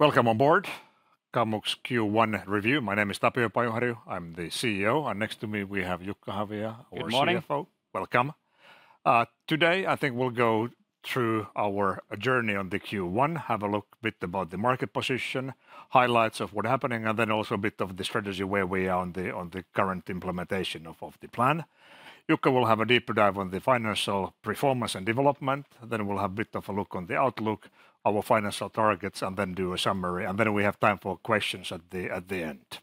Welcome aboard, Kamux Q1 review. My name is Tapio Pajuharju, I'm the CEO, and next to me we have Jukka Havia, our CFO. Good morning! Welcome. Today, I think we'll go through our journey on the Q1, have a look bit about the market position, highlights of what's happening, and then also a bit of the strategy, where we are on the current implementation of the plan. Jukka will have a deeper dive on the financial performance and development, then we'll have a bit of a look on the outlook, our financial targets, and then do a summary. And then we have time for questions at the end.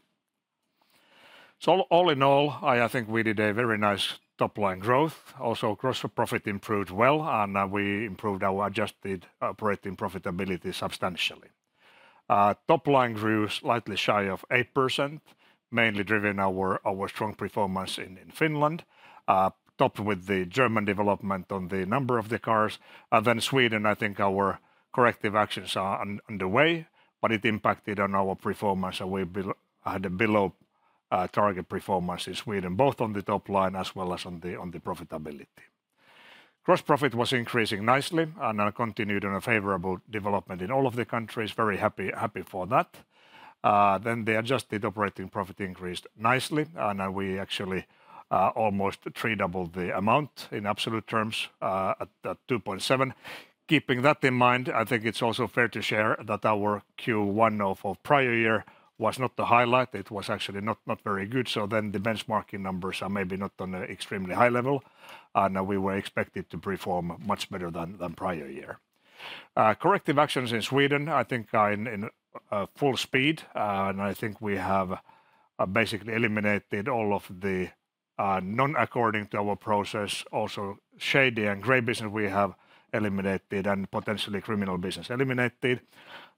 So all in all, I think we did a very nice top line growth. Also, gross profit improved well, and we improved our adjusted operating profitability substantially. Top line grew slightly shy of 8%, mainly driven our strong performance in Finland, topped with the German development on the number of the cars. Then Sweden, I think our corrective actions are on the way, but it impacted on our performance, and we had a below target performance in Sweden, both on the top line as well as on the profitability. Gross profit was increasing nicely and continued on a favorable development in all of the countries. Very happy for that. Then the adjusted operating profit increased nicely, and we actually almost triple the amount in absolute terms at 2.7. Keeping that in mind, I think it's also fair to share that our Q1 of prior year was not the highlight. It was actually not very good, so the benchmarking numbers are maybe not on an extremely high level, and we were expected to perform much better than prior year. Corrective actions in Sweden, I think, are in, in, full speed, and I think we have, basically eliminated all of the, not according to our process, also shady and gray business we have eliminated, and potentially criminal business eliminated.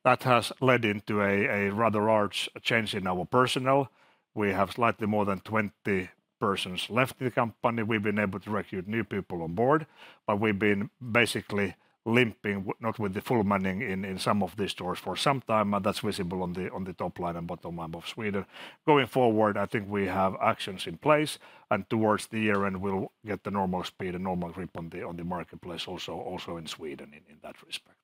That has led into a rather large change in our personnel. We have slightly more than 20 persons left the company. We've been able to recruit new people on board, but we've been basically limping, not with the full manning in, in some of the stores for some time, and that's visible on the, on the top line and bottom line of Sweden. Going forward, I think we have actions in place, and towards the year end, we'll get the normal speed and normal grip on the, on the marketplace also, also in Sweden, in, in that respect.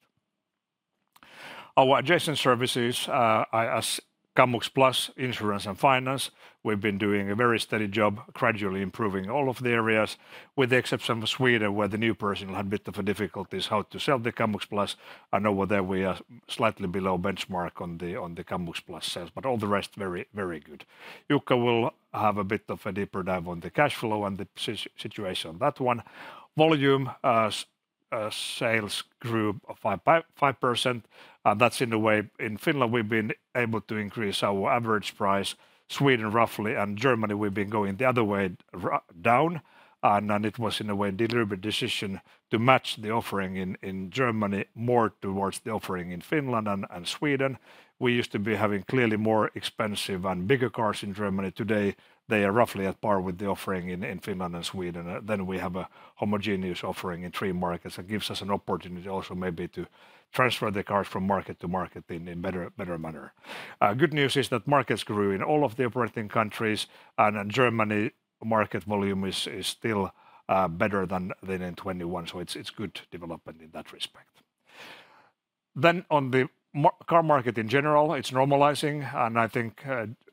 Our adjacent services, as Kamux Plus, insurance, and finance, we've been doing a very steady job, gradually improving all of the areas, with the exception of Sweden, where the new person had a bit of a difficulties how to sell the Kamux Plus, and over there we are slightly below benchmark on the Kamux Plus sales, but all the rest, very, very good. Jukka will have a bit of a deeper dive on the cash flow and the situation on that one. Volume sales grew 5%, and that's in a way, in Finland, we've been able to increase our average price. Sweden, roughly, and Germany, we've been going the other way, down, and it was, in a way, deliberate decision to match the offering in Germany more towards the offering in Finland and Sweden. We used to be having clearly more expensive and bigger cars in Germany. Today, they are roughly at par with the offering in Finland and Sweden. Then we have a homogeneous offering in three markets. That gives us an opportunity also maybe to transfer the cars from market to market in better manner. Good news is that markets grew in all of the operating countries, and in Germany, market volume is still better than in 2021, so it's good development in that respect. Then on the car market in general, it's normalizing, and I think,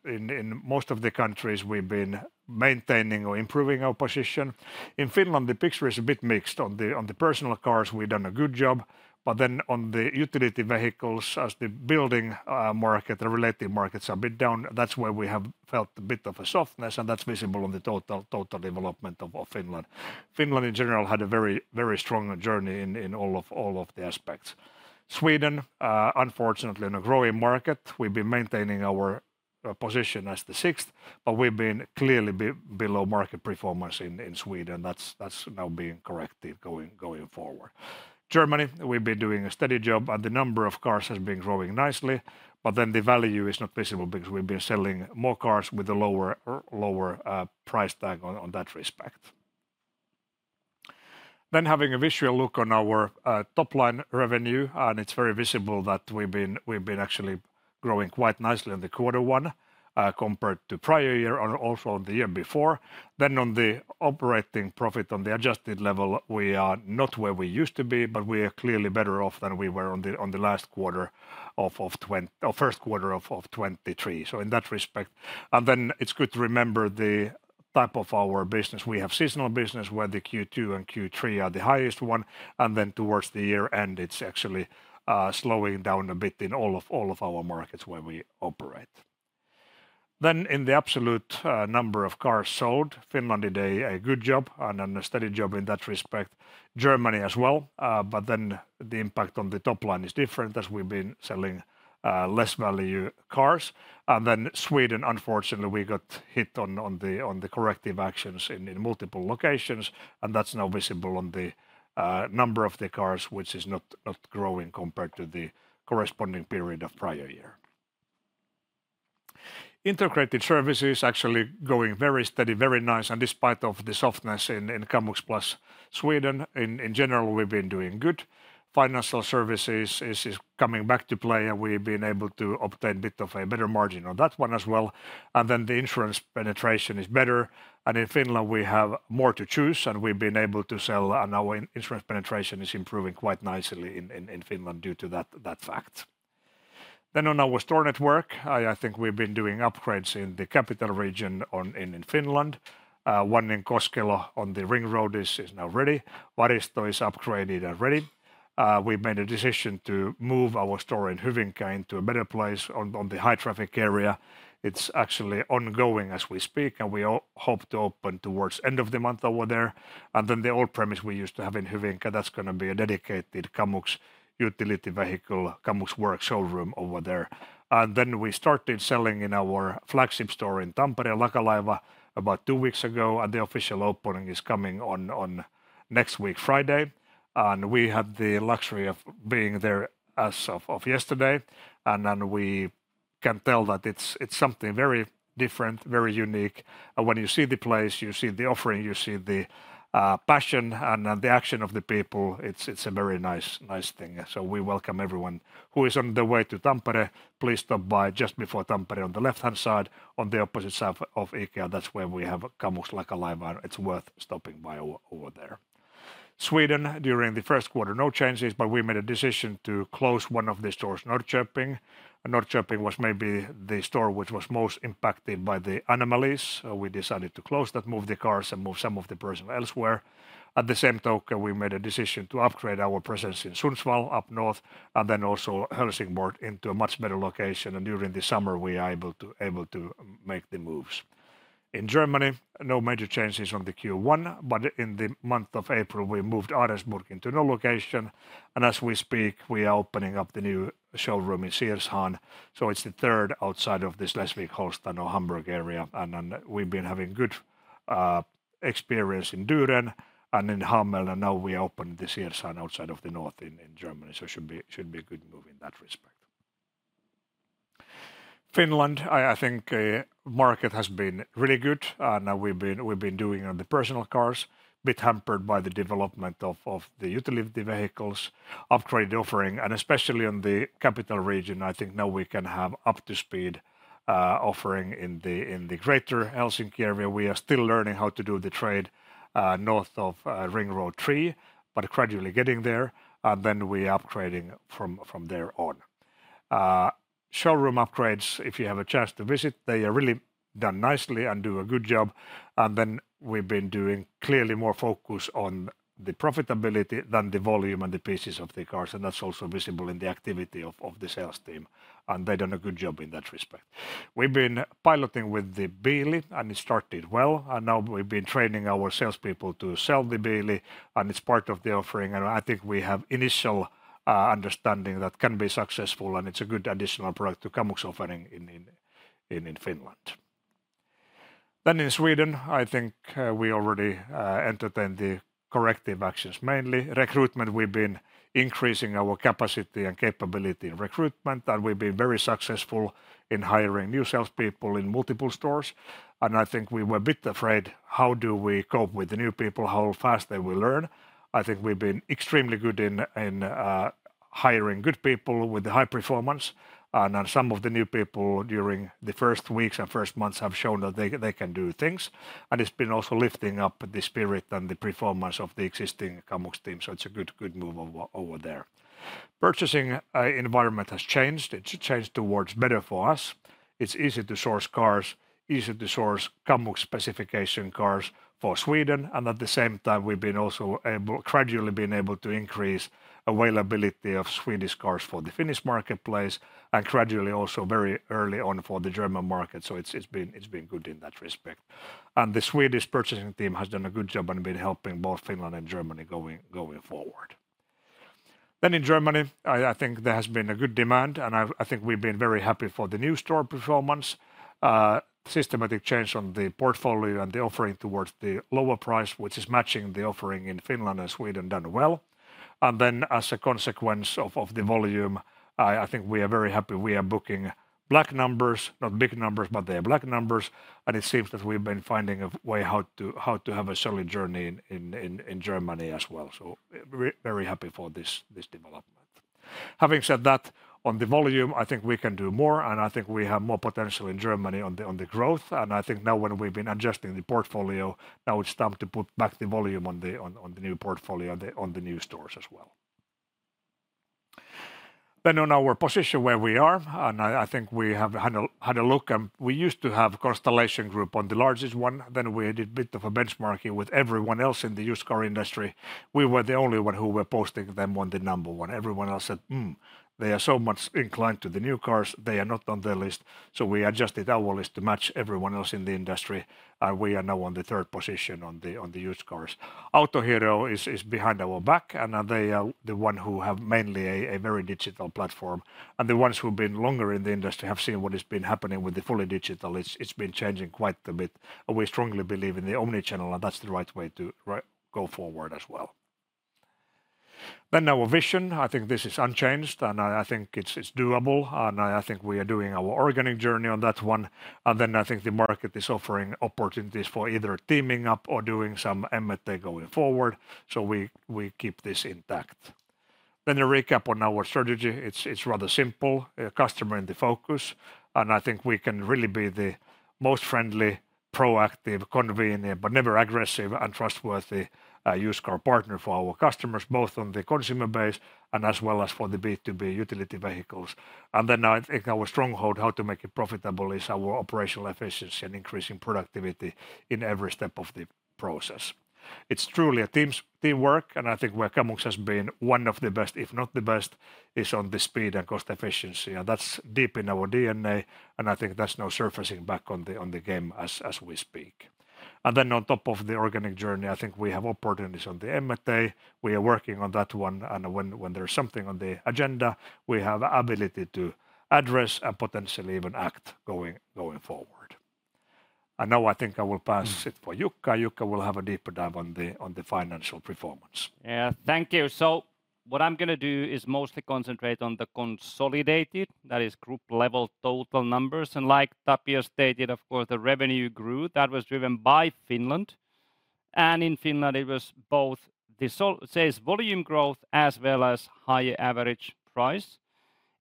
in most of the countries, we've been maintaining or improving our position. In Finland, the picture is a bit mixed. On the personal cars, we've done a good job, but then on the utility vehicles, as the building market, the related markets, a bit down, that's where we have felt a bit of a softness, and that's visible on the total development of Finland. Finland, in general, had a very, very strong journey in all of the aspects. Sweden, unfortunately, in a growing market, we've been maintaining our position as the sixth, but we've been clearly below market performance in Sweden. That's now being corrected going forward. Germany, we've been doing a steady job, and the number of cars has been growing nicely, but then the value is not visible because we've been selling more cars with a lower price tag on that respect. Then, having a visual look on our top line revenue, and it's very visible that we've been actually growing quite nicely in quarter one compared to prior year and also the year before. Then, on the operating profit, on the adjusted level, we are not where we used to be, but we are clearly better off than we were on the first quarter of 2023. So in that respect... And then it's good to remember the type of our business. We have seasonal business, where the Q2 and Q3 are the highest one, and then towards the year end, it's actually slowing down a bit in all of our markets where we operate. Then, in the absolute number of cars sold, Finland did a good job and a steady job in that respect. Germany as well, but then the impact on the top line is different, as we've been selling less value cars. And then Sweden, unfortunately, we got hit on the corrective actions in multiple locations, and that's now visible on the number of the cars, which is not growing compared to the corresponding period of prior year. Integrated services actually going very steady, very nice, and despite of the softness in Kamux Plus, Sweden, in general, we've been doing good. Financial services is coming back to play, and we've been able to obtain a bit of a better margin on that one as well. Then the insurance penetration is better, and in Finland, we have more to choose, and we've been able to sell, and our insurance penetration is improving quite nicely in Finland due to that fact. Then on our store network, I think we've been doing upgrades in the capital region in Finland. One in Koskela on the ring road is now ready. Varisto is upgraded and ready. We've made a decision to move our store in Hyvinkää to a better place on the high traffic area. It's actually ongoing as we speak, and we all hope to open towards end of the month over there. And then the old premise we used to have in Hyvinkää, that's gonna be a dedicated Kamux utility vehicle, Kamux Works showroom over there. And then we started selling in our flagship store in Tampere, Lakalaiva, about two weeks ago, and the official opening is coming on next week, Friday. And we had the luxury of being there as of yesterday, and then we can tell that it's something very different, very unique. And when you see the place, you see the offering, you see the passion and the action of the people, it's a very nice, nice thing. So we welcome everyone who is on the way to Tampere, please stop by just before Tampere on the left-hand side, on the opposite side of IKEA. That's where we have Kamux Lakalaiva. It's worth stopping by over there. Sweden, during the first quarter, no changes, but we made a decision to close one of the stores, Norrköping. Norrköping was maybe the store which was most impacted by the anomalies, so we decided to close that, move the cars, and move some of the personnel elsewhere. At the same time, we made a decision to upgrade our presence in Sundsvall, up north, and then also Helsingborg, into a much better location, and during the summer, we are able to make the moves. In Germany, no major changes on the Q1, but in the month of April, we moved Ahrensburg into new location, and as we speak, we are opening up the new showroom in Siershahn. So it's the third outside of this Schleswig-Holstein or Hamburg area, and then we've been having good experience in Düren and in Hameln, and now we opened the Siershahn outside of the north in Germany, so should be a good move in that respect. Finland, I think, market has been really good. Now we've been doing on the personal cars, bit hampered by the development of the utility vehicles, upgrade offering, and especially in the capital region, I think now we can have up to speed offering in the greater Helsinki area. We are still learning how to do the trade north of Ring Road Three, but gradually getting there, and then we are upgrading from there on. Showroom upgrades, if you have a chance to visit, they are really done nicely and do a good job. Then we've been doing clearly more focus on the profitability than the volume and the pieces of the cars, and that's also visible in the activity of the sales team, and they've done a good job in that respect. We've been piloting with the Beely, and it started well, and now we've been training our salespeople to sell the Beely, and it's part of the offering. I think we have initial understanding that can be successful, and it's a good additional product to Kamux offering in Finland. Then in Sweden, I think we already entertained the corrective actions. Mainly, recruitment, we've been increasing our capacity and capability in recruitment, and we've been very successful in hiring new salespeople in multiple stores. I think we were a bit afraid, how do we cope with the new people, how fast they will learn? I think we've been extremely good in hiring good people with the high performance, and some of the new people during the first weeks and first months have shown that they can do things. And it's been also lifting up the spirit and the performance of the existing Kamux team, so it's a good, good move over there. Purchasing environment has changed. It's changed towards better for us. It's easy to source cars, easy to source Kamux specification cars for Sweden, and at the same time, we've been also gradually been able to increase availability of Swedish cars for the Finnish marketplace, and gradually also very early on for the German market, so it's, it's been, it's been good in that respect. And the Swedish purchasing team has done a good job and been helping both Finland and Germany going, going forward. Then in Germany, I think there has been a good demand, and I think we've been very happy for the new store performance. Systematic change on the portfolio and the offering towards the lower price, which is matching the offering in Finland and Sweden, done well. And then, as a consequence of the volume, I think we are very happy. We are booking black numbers, not big numbers, but they are black numbers, and it seems that we've been finding a way how to have a selling journey in Germany as well, so we're very happy for this development. Having said that, on the volume, I think we can do more, and I think we have more potential in Germany on the growth, and I think now, when we've been adjusting the portfolio, now it's time to put back the volume on the new portfolio, on the new stores as well. Then on our position where we are, and I think we have had a look, and we used to have Constellation Group on the largest one. Then we did a bit of a benchmarking with everyone else in the used car industry. We were the only one who were posting them on the number one. Everyone else said, "Mm, they are so much inclined to the new cars, they are not on the list." So we adjusted our list to match everyone else in the industry, and we are now on the third position on the used cars. Autohero is behind our back, and they are the one who have mainly a very digital platform. And the ones who've been longer in the industry have seen what has been happening with the fully digital. It's been changing quite a bit, and we strongly believe in the Omni-channel, and that's the right way to go forward as well. Then our vision, I think this is unchanged, and I think it's doable, and I think we are doing our organic journey on that one. And then I think the market is offering opportunities for either teaming up or doing some M&A going forward, so we keep this intact. Then a recap on our strategy. It's rather simple, customer in the focus, and I think we can really be the most friendly proactive, convenient, but never aggressive and trustworthy used car partner for our customers, both on the consumer base and as well as for the B2B utility vehicles. And then, I think our stronghold, how to make it profitable, is our operational efficiency and increasing productivity in every step of the process. It's truly a teamwork, and I think where Kamux has been one of the best, if not the best, is on the speed and cost efficiency. And that's deep in our DNA, and I think that's now surfacing back on the game as we speak. And then on top of the organic journey, I think we have opportunities on the M&A. We are working on that one, and when there's something on the agenda, we have ability to address and potentially even act going forward. And now I think I will pass it for Jukka. Jukka will have a deeper dive on the financial performance. Yeah. Thank you. So what I'm gonna do is mostly concentrate on the consolidated, that is group level total numbers. And like Tapio stated, of course, the revenue grew. That was driven by Finland, and in Finland it was both the sales volume growth as well as higher average price.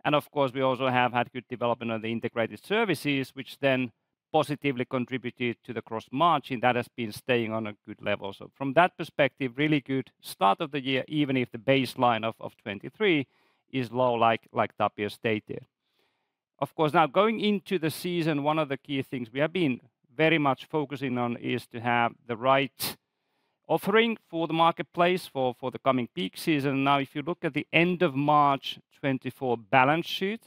And of course, we also have had good development on the integrated services, which then positively contributed to the gross margin, and that has been staying on a good level. So from that perspective, really good start of the year, even if the baseline of 2023 is low, like Tapio stated. Of course, now going into the season, one of the key things we have been very much focusing on is to have the right offering for the marketplace for the coming peak season. Now, if you look at the end of March 2024 balance sheet,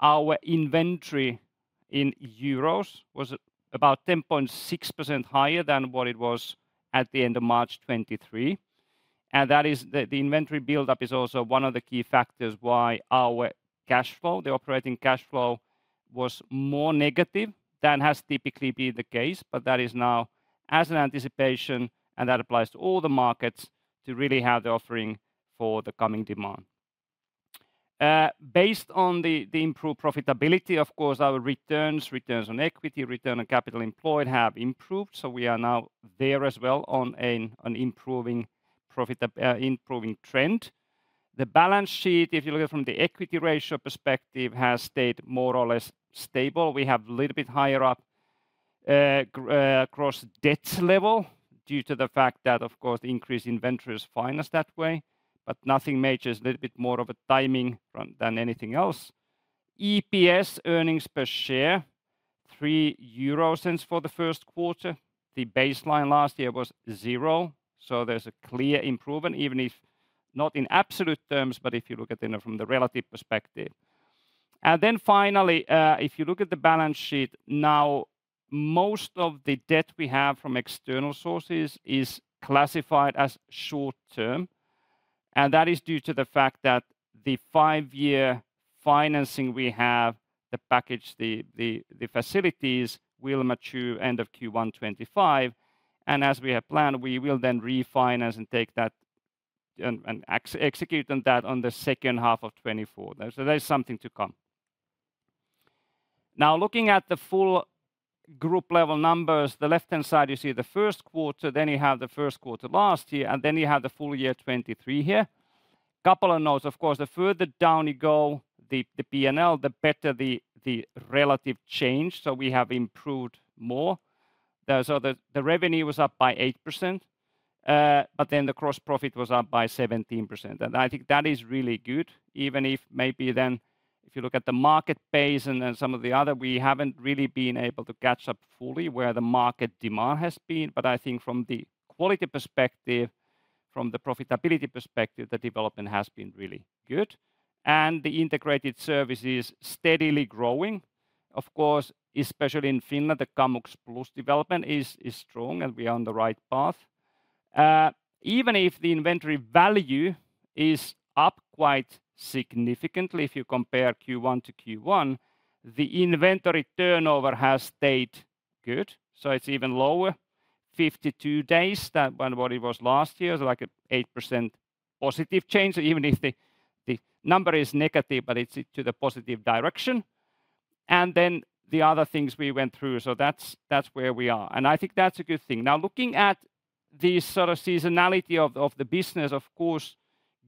our inventory in euros was about 10.6% higher than what it was at the end of March 2023, and that is... The inventory buildup is also one of the key factors why our cash flow, the operating cash flow, was more negative than has typically been the case. But that is now in anticipation, and that applies to all the markets to really have the offering for the coming demand. Based on the improved profitability, of course, our returns on equity, return on capital employed, have improved, so we are now there as well on an improving profitability, improving trend. The balance sheet, if you look at it from the equity ratio perspective, has stayed more or less stable. We have a little bit higher up, gross debt level due to the fact that, of course, the increase in inventory is financed that way, but nothing major, it's a little bit more of a timing run than anything else. EPS, earnings per share, 0.03 for the first quarter. The baseline last year was 0, so there's a clear improvement, even if not in absolute terms, but if you look at it from the relative perspective. And then finally, if you look at the balance sheet, now, most of the debt we have from external sources is classified as short-term, and that is due to the fact that the five-year financing we have, the package, the, the, the facilities, will mature end of Q1 2025. As we have planned, we will then refinance and take that and execute on that in the second half of 2024. So there's something to come. Now, looking at the full group level numbers, the left-hand side, you see the first quarter, then you have the first quarter last year, and then you have the full year 2023 here. Couple of notes, of course, the further down you go, the P&L, the better the relative change, so we have improved more. So the revenue was up by 8%, but then the gross profit was up by 17%, and I think that is really good, even if maybe then, if you look at the market base and then some of the other, we haven't really been able to catch up fully where the market demand has been. But I think from the quality perspective, from the profitability perspective, the development has been really good, and the integrated service is steadily growing. Of course, especially in Finland, the Kamux Plus development is, is strong, and we are on the right path. Even if the inventory value is up quite significantly, if you compare Q1 to Q1, the inventory turnover has stayed good, so it's even lower. 52 days than that what it was last year, so like an 8% positive change. Even if the number is negative, but it's to the positive direction. And then the other things we went through, so that's where we are, and I think that's a good thing. Now, looking at the sort of seasonality of the business, of course,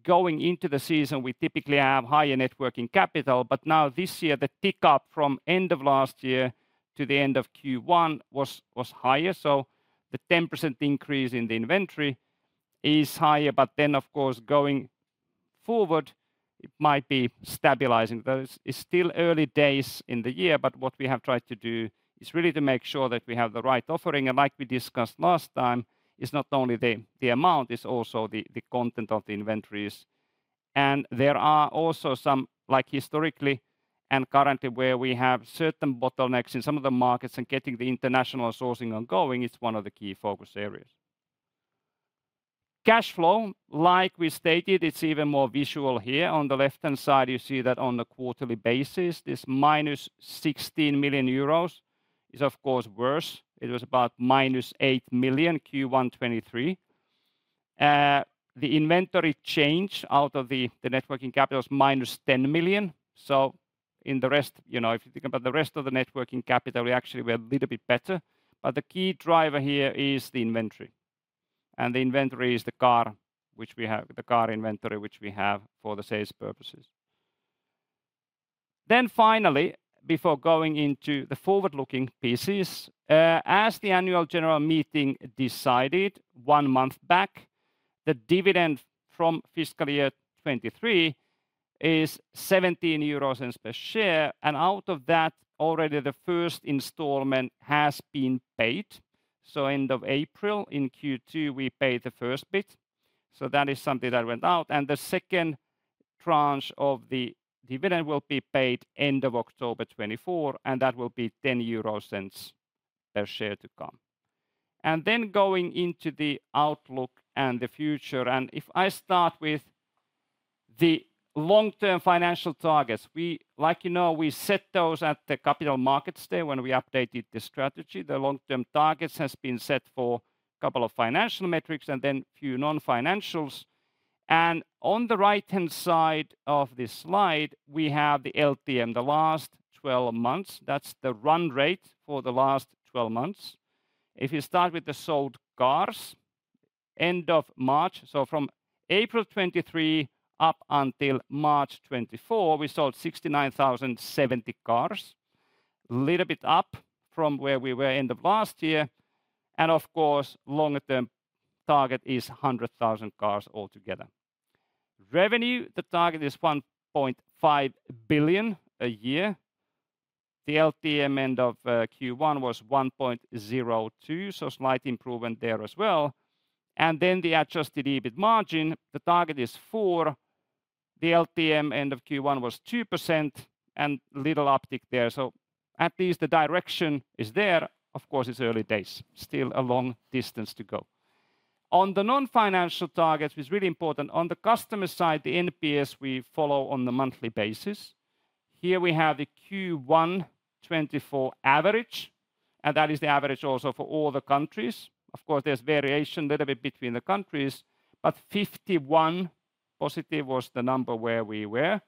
going into the season, we typically have higher net working capital. But now this year, the tick-up from end of last year to the end of Q1 was, was higher, so the 10% increase in the inventory is higher. But then, of course, going forward, it might be stabilizing. But it's, it's still early days in the year, but what we have tried to do is really to make sure that we have the right offering. And like we discussed last time, it's not only the, the amount, it's also the, the content of the inventories. And there are also some, like historically and currently, where we have certain bottlenecks in some of the markets, and getting the international sourcing ongoing is one of the key focus areas. Cash flow, like we stated, it's even more visual here. On the left-hand side, you see that on a quarterly basis, this -16 million euros is of course worse. It was about -8 million, Q1 2023. The inventory change out of the net working capital is -10 million. So in the rest, you know, if you think about the rest of the net working capital, we actually were a little bit better, but the key driver here is the inventory, and the inventory is the car inventory which we have for the sales purposes... Then finally, before going into the forward-looking pieces, as the annual general meeting decided one month back, the dividend from fiscal year 2023 is 17 euro cents per share, and out of that, already the first installment has been paid. So end of April, in Q2, we paid the first bit, so that is something that went out. The second tranche of the dividend will be paid end of October 2024, and that will be 0.10 per share to come. Then going into the outlook and the future, and if I start with the long-term financial targets, we, like you know, we set those at the capital markets day when we updated the strategy. The long-term targets has been set for couple of financial metrics and then few non-financials. And on the right-hand side of this slide, we have the LTM, the last twelve months. That's the run rate for the last twelve months. If you start with the sold cars, end of March, so from April 2023 up until March 2024, we sold 69,070 cars. Little bit up from where we were end of last year, and of course, long-term target is 100,000 cars altogether. Revenue, the target is 1.5 billion a year. The LTM end of Q1 was 1.02 billion, so slight improvement there as well. And then the adjusted EBIT margin, the target is 4%. The LTM end of Q1 was 2%, and little uptick there, so at least the direction is there. Of course, it's early days. Still a long distance to go. On the non-financial targets, is really important, on the customer side, the NPS we follow on a monthly basis. Here we have the Q1 2024 average, and that is the average also for all the countries. Of course, there's variation little bit between the countries, but 51 positive was the number where we were.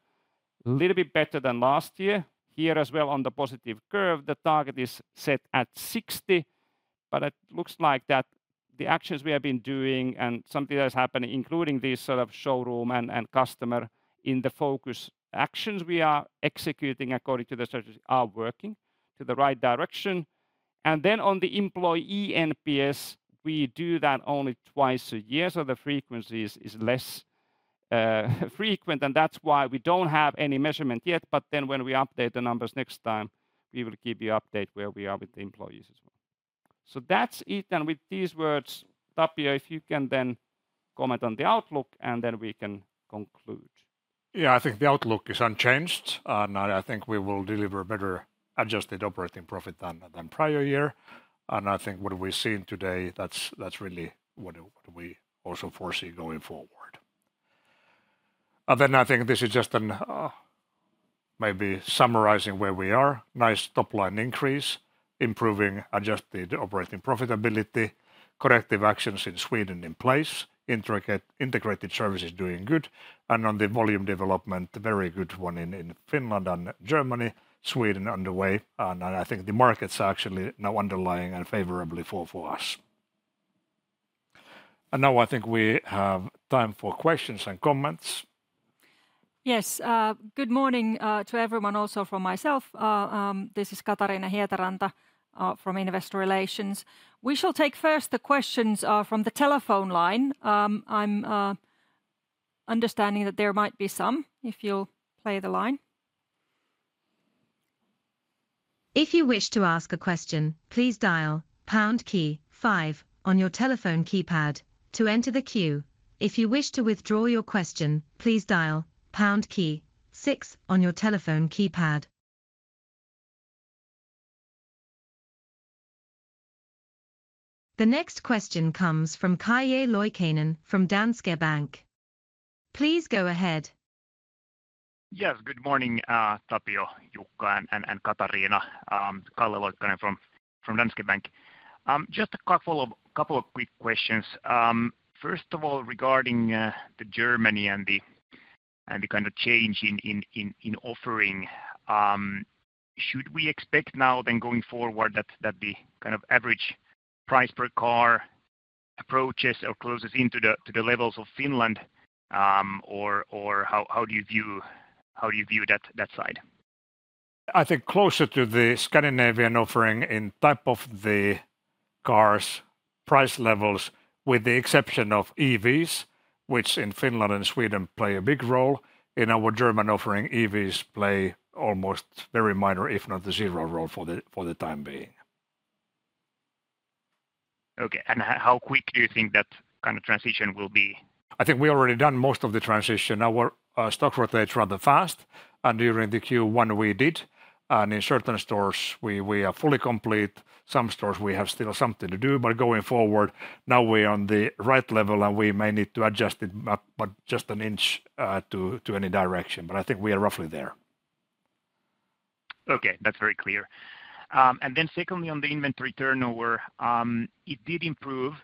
Little bit better than last year. Here as well, on the positive curve, the target is set at 60, but it looks like that the actions we have been doing and something that has happened, including this sort of showroom and customer in the focus actions we are executing according to the strategy, are working to the right direction. Then on the employee NPS, we do that only twice a year, so the frequency is less frequent, and that's why we don't have any measurement yet. But then when we update the numbers next time, we will give you update where we are with the employees as well. That's it, and with these words, Tapio, if you can then comment on the outlook, and then we can conclude. Yeah, I think the outlook is unchanged, and I think we will deliver a better Adjusted Operating Profit than prior year. And I think what we've seen today, that's really what we also foresee going forward. And then I think this is just an maybe summarizing where we are, nice top line increase, improving Adjusted Operating Profitability, corrective actions in Sweden in place, Integrated Services doing good, and on the volume development, a very good one in Finland and Germany, Sweden underway. And I think the markets are actually now underlying and favorably for us. And now I think we have time for questions and comments. Yes, good morning to everyone, also from myself. This is Katariina Hietaranta from Investor Relations. We shall take first the questions from the telephone line. I'm understanding that there might be some, if you'll play the line. If you wish to ask a question, please dial pound key five on your telephone keypad to enter the queue. If you wish to withdraw your question, please dial pound key six on your telephone keypad. The next question comes from Calle Loikkanen from Danske Bank. Please go ahead. Yes, good morning, Tapio, Jukka, and Katariina. Calle Loikkanen from Danske Bank. Just a couple of quick questions. First of all, regarding the Germany and the kind of change in offering, should we expect now then going forward that the kind of average price per car approaches or closes into the levels of Finland? Or how do you view... How do you view that side? I think closer to the Scandinavian offering in type of the cars' price levels, with the exception of EVs, which in Finland and Sweden play a big role. In our German offering, EVs play almost very minor, if not a zero role, for the time being. Okay, and how quick do you think that kind of transition will be? I think we've already done most of the transition. Our stock rotates rather fast, and during the Q1 we did, and in certain stores we, we are fully complete. Some stores we have still something to do, but going forward, now we're on the right level, and we may need to adjust it up, but just an inch, to, to any direction, but I think we are roughly there. Okay, that's very clear. And then secondly, on the inventory turnover, it did improve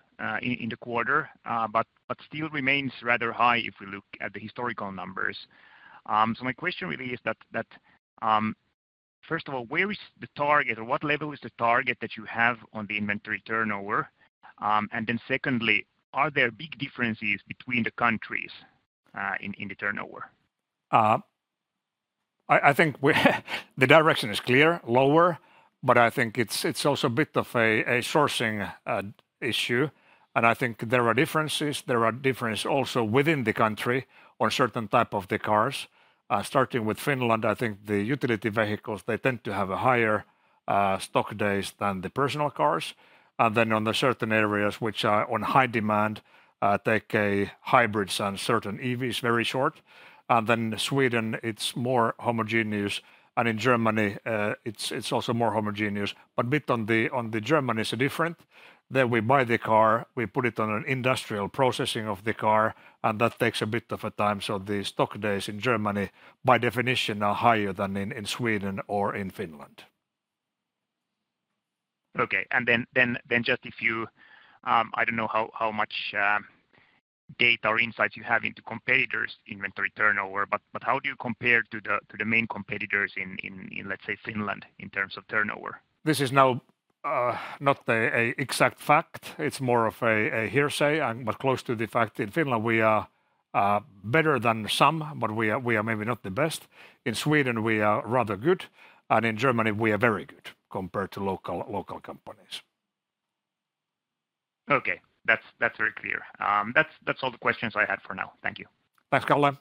in the quarter, but still remains rather high if we look at the historical numbers. So my question really is, first of all, where is the target or what level is the target that you have on the inventory turnover? And then secondly, are there big differences between the countries in the turnover? I think the direction is clear, lower, but I think it's also a bit of a sourcing issue. And I think there are differences. There are differences also within the country on certain types of the cars. Starting with Finland, I think the utility vehicles, they tend to have a higher stock days than the personal cars. And then on the certain areas which are on high demand, take hybrids and certain EVs, very short. And then Sweden, it's more homogeneous, and in Germany, it's also more homogeneous. But in Germany is different. There we buy the car, we put it on an industrial processing of the car, and that takes a bit of time, so the stock days in Germany, by definition, are higher than in Sweden or in Finland. Okay, and then just if you, I don't know how much data or insights you have into competitors' inventory turnover, but how do you compare to the main competitors in, let's say, Finland, in terms of turnover? This is now not an exact fact. It's more of a hearsay but close to the fact. In Finland, we are better than some, but we are maybe not the best. In Sweden, we are rather good, and in Germany, we are very good compared to local companies. Okay, that's, that's very clear. That's, that's all the questions I had for now. Thank you. Thanks, Calle.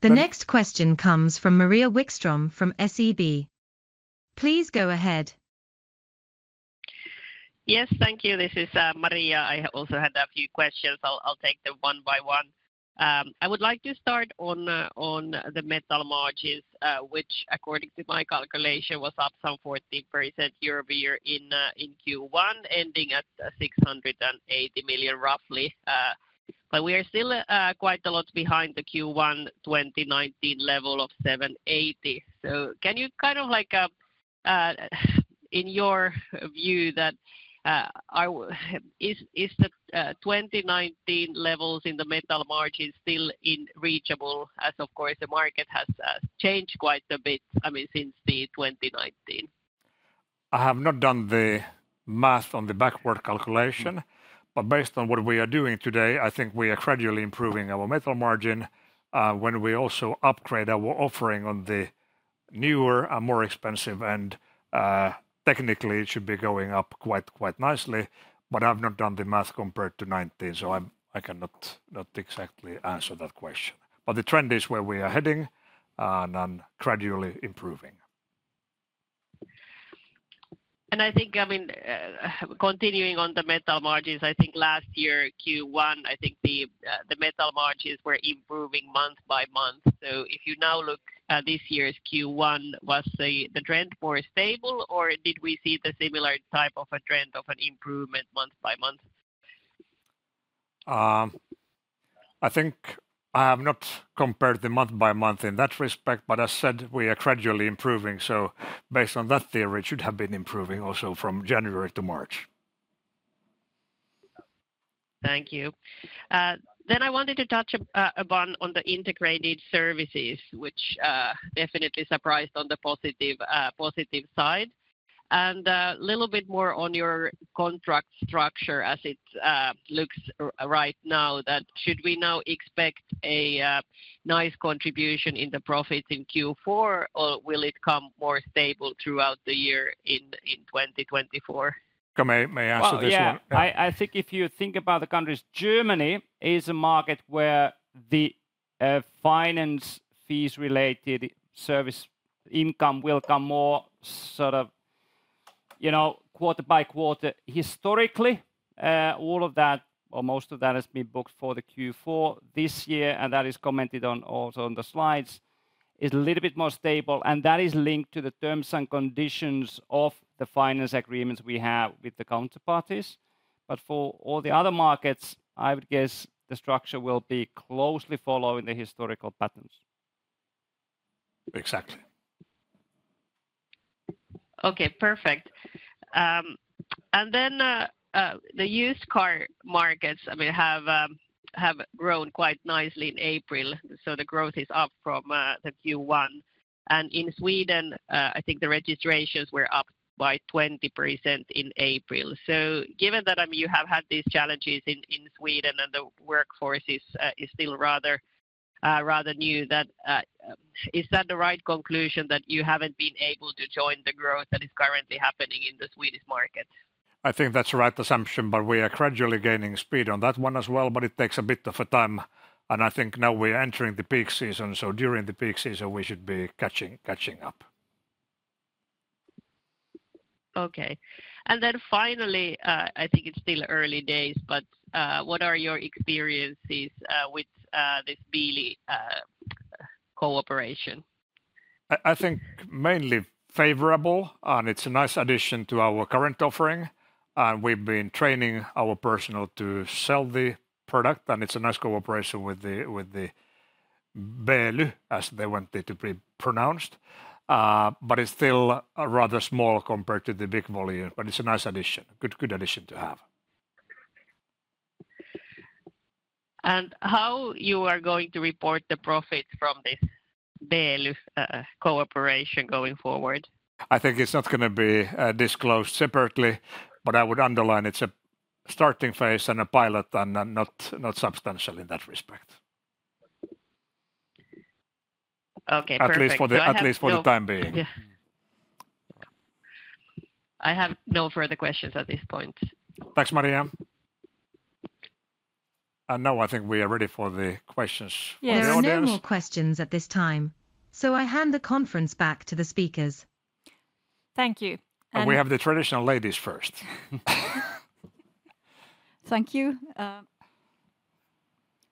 The next question comes from Maria Wikström from SEB. Please go ahead. Yes, thank you. This is Maria. I also had a few questions. I'll take them one by one. I would like to start on the metal margins, which according to my calculation, was up some 14% year-over-year in Q1, ending at 680 million, roughly. But we are still quite a lot behind the Q1 2019 level of 780 million. So can you kind of like, in your view, is the 2019 levels in the metal margins still reachable? As of course, the market has changed quite a bit, I mean, since the 2019. I have not done the math on the backward calculation, but based on what we are doing today, I think we are gradually improving our metal margin when we also upgrade our offering on the newer and more expensive. Technically, it should be going up quite, quite nicely, but I've not done the math compared to 2019, so I cannot exactly answer that question. But the trend is where we are heading, and gradually improving. I think, I mean, continuing on the metal margins, I think last year, Q1, I think the metal margins were improving month by month. So if you now look at this year's Q1, was the trend more stable, or did we see the similar type of a trend of an improvement month by month? I think I have not compared the month-by-month in that respect, but as said, we are gradually improving. Based on that theory, it should have been improving also from January to March. Thank you. Then I wanted to touch upon the integrated services, which definitely surprised on the positive, positive side. And, little bit more on your contract structure as it looks right now, that should we now expect a nice contribution in the profits in Q4, or will it come more stable throughout the year in 2024? May I, may I answer this one? Well, yeah. Yeah. I, I think if you think about the countries, Germany is a market where the finance fees related service income will come more sort of, you know, quarter by quarter. Historically, all of that or most of that has been booked for the Q4 this year, and that is commented on also on the slides. It's a little bit more stable, and that is linked to the terms and conditions of the finance agreements we have with the counterparties. But for all the other markets, I would guess the structure will be closely following the historical patterns. Exactly. Okay, perfect. And then, the used car markets, I mean, have grown quite nicely in April, so the growth is up from the Q1. In Sweden, I think the registrations were up by 20% in April. Given that, I mean, you have had these challenges in Sweden, and the workforce is still rather new, that is that the right conclusion, that you haven't been able to join the growth that is currently happening in the Swedish market? I think that's the right assumption, but we are gradually gaining speed on that one as well, but it takes a bit of a time. I think now we're entering the peak season, so during the peak season we should be catching up. Okay. Then finally, I think it's still early days, but what are your experiences with this Beely cooperation? I think mainly favorable, and it's a nice addition to our current offering, and we've been training our personnel to sell the product, and it's a nice cooperation with the Beely, as they want it to be pronounced. But it's still rather small compared to the big volume, but it's a nice addition. Good, good addition to have.... How are you going to report the profit from this deal, cooperation going forward? I think it's not gonna be disclosed separately, but I would underline it's a starting phase and a pilot and not substantial in that respect. Okay, perfect. At least for the- So I have- At least for the time being. Yeah. I have no further questions at this point. Thanks, Maria. Now I think we are ready for the questions. Yes from the audience. There are no more questions at this time, so I hand the conference back to the speakers. Thank you, and- We have the traditional ladies first. Thank you.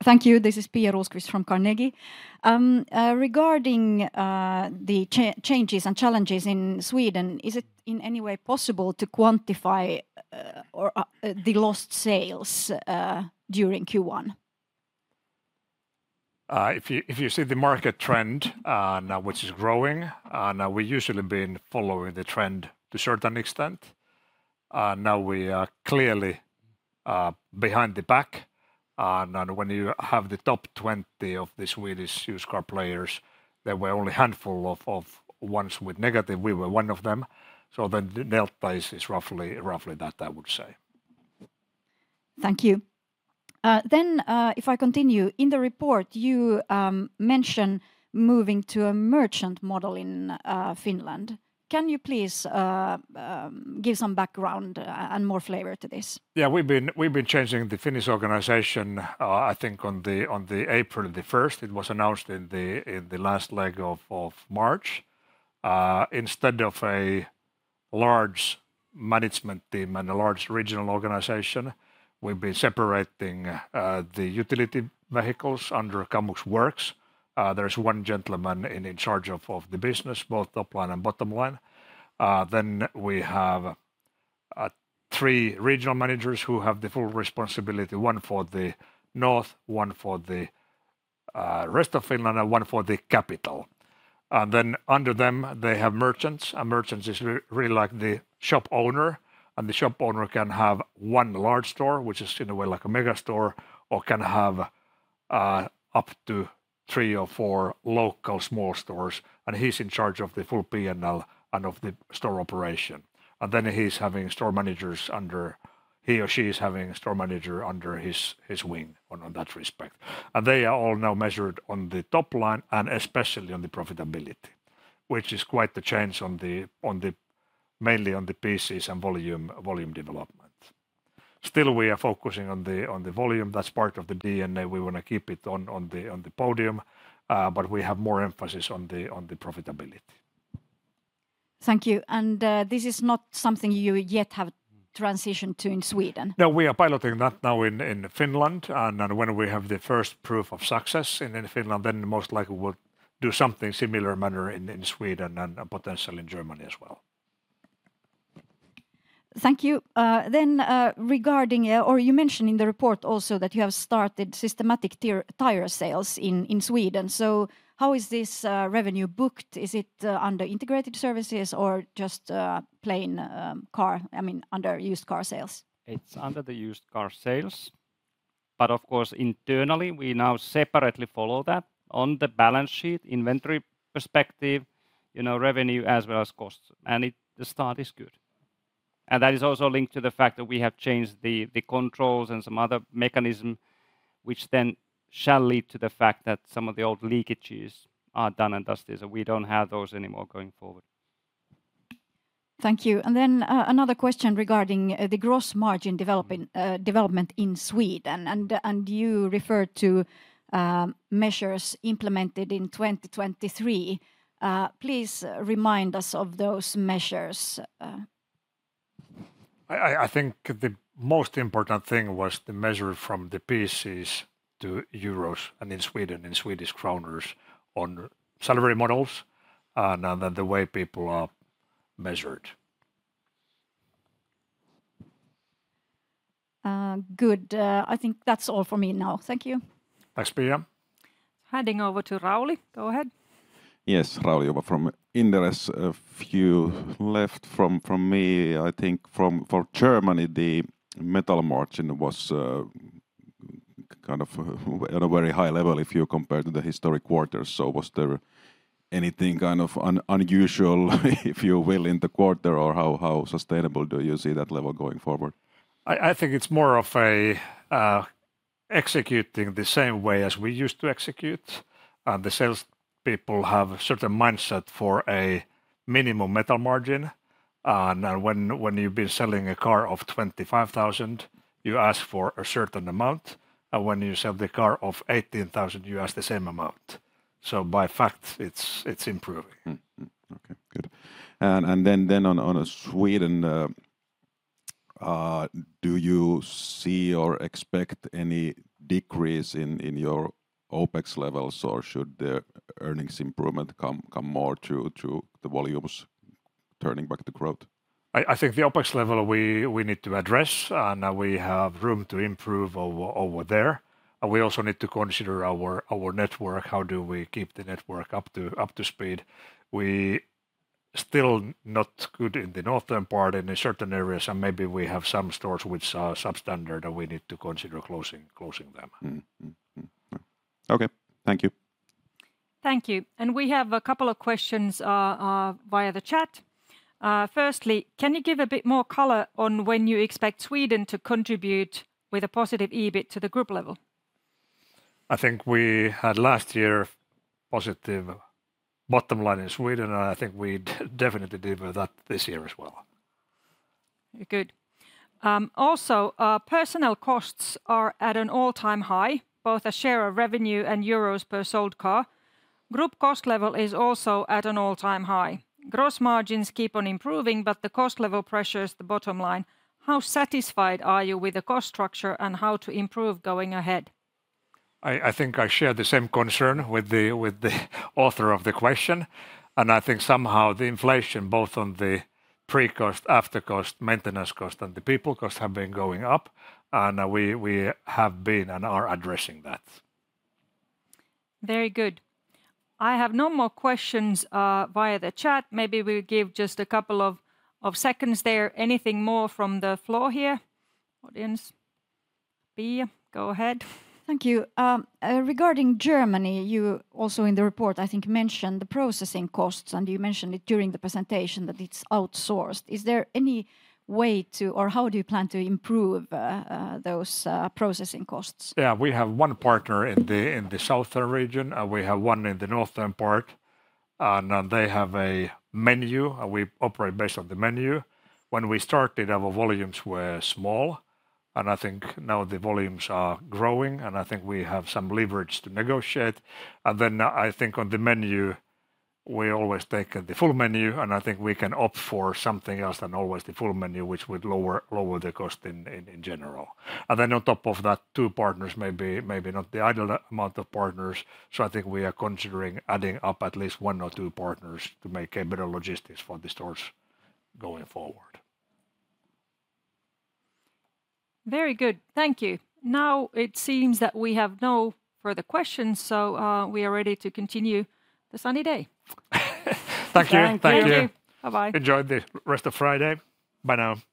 Thank you. This is Pia Rosqvist from Carnegie. Regarding the changes and challenges in Sweden, is it in any way possible to quantify the lost sales during Q1? If you see the market trend now, which is growing, now we're usually been following the trend to certain extent. Now we are clearly behind the pack. And when you have the top 20 of the Swedish used car players, there were only a handful of ones with negative. We were one of them, so the base is roughly that, I would say. Thank you. Then, if I continue, in the report, you mention moving to a merchant model in Finland. Can you please give some background and more flavor to this? Yeah, we've been changing the Finnish organization, I think on April 1st. It was announced in the last leg of March. Instead of a large management team and a large regional organization, we've been separating the utility vehicles under Kamux Works. There's one gentleman in charge of the business, both top line and bottom line. Then we have three regional managers who have the full responsibility, one for the north, one for the rest of Finland, and one for the capital. Then under them, they have merchants, and merchants is really like the shop owner, and the shop owner can have one large store, which is in a way like a mega store, or can have up to 3 or 4 local small stores, and he's in charge of the full P&L and of the store operation. Then he's having store managers under him. He or she is having a store manager under his wing on that respect. And they are all now measured on the top line and especially on the profitability, which is quite the change on the mainly on the pieces and volume development. Still, we are focusing on the volume. That's part of the DNA. We want to keep it on the podium, but we have more emphasis on the profitability. Thank you. And, this is not something you yet have transitioned to in Sweden? No, we are piloting that now in Finland, and when we have the first proof of success in Finland, then most likely we'll do something similar manner in Sweden and potentially in Germany as well. Thank you. Then, regarding... Or you mentioned in the report also that you have started systematic tire sales in Sweden, so how is this revenue booked? Is it under integrated services or just plain car, I mean, under used car sales? It's under the used car sales, but of course, internally, we now separately follow that. On the balance sheet, inventory perspective, you know, revenue as well as costs, and the start is good. And that is also linked to the fact that we have changed the controls and some other mechanism, which then shall lead to the fact that some of the old leakages are done and dusted, so we don't have those anymore going forward. Thank you. And then, another question regarding the gross margin developing, development in Sweden. And you referred to measures implemented in 2023. Please remind us of those measures... I think the most important thing was the measure from the pieces to euros, and in Sweden, in Swedish kronor, on salary models, and then the way people are measured. Good. I think that's all for me now. Thank you. Thanks, Pia. Handing over to Rauli. Go ahead. Yes, Rauli Juva from Inderes. A few left from me. I think for Germany, the metal margin was kind of at a very high level if you compare to the historic quarters. So was there anything kind of unusual, if you will, in the quarter, or how sustainable do you see that level going forward? I think it's more of a executing the same way as we used to execute, and the sales people have certain mindset for a minimum metal margin. And when you've been selling a car of 25,000, you ask for a certain amount, and when you sell the car of 18,000, you ask the same amount. So by fact, it's improving. Mm-hmm. Okay, good. And then on Sweden, do you see or expect any decrease in your OpEx levels, or should the earnings improvement come more to the volumes turning back to growth? I think the OpEx level we need to address, and we have room to improve over there. We also need to consider our network. How do we keep the network up to speed? We're still not good in the northern part, in certain areas, and maybe we have some stores which are substandard, and we need to consider closing them. Mm, mm, mm. Okay, thank you. Thank you. We have a couple of questions via the chat. Firstly, can you give a bit more color on when you expect Sweden to contribute with a positive EBIT to the group level? I think we had last year positive bottom line in Sweden, and I think we definitely deliver that this year as well. Good. Also, personnel costs are at an all-time high, both as share of revenue and EUR per sold car. Group cost level is also at an all-time high. Gross margins keep on improving, but the cost level pressures the bottom line. How satisfied are you with the cost structure, and how to improve going ahead? I think I share the same concern with the author of the question, and I think somehow the inflation, both on the pre-cost, after cost, maintenance cost, and the people cost, have been going up, and we have been and are addressing that. Very good. I have no more questions via the chat. Maybe we give just a couple of seconds there. Anything more from the floor here? Audience? Pia, go ahead. Thank you. Regarding Germany, you also in the report I think mentioned the processing costs, and you mentioned it during the presentation that it's outsourced. Is there any way to... or how do you plan to improve those processing costs? Yeah, we have one partner in the southern region, and we have one in the northern part. And they have a menu, and we operate based on the menu. When we started, our volumes were small, and I think now the volumes are growing, and I think we have some leverage to negotiate. And then I think on the menu, we always take the full menu, and I think we can opt for something else than always the full menu, which would lower the cost in general. And then on top of that, two partners may be not the ideal amount of partners, so I think we are considering adding up at least one or two partners to make a better logistics for the stores going forward. Very good. Thank you. Now it seems that we have no further questions, so we are ready to continue the sunny day. Thank you. Thank you. Thank you. Bye-bye. Enjoy the rest of Friday. Bye now.